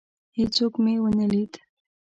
هیڅوک مي ونه لید.